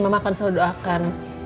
mama akan selalu doakan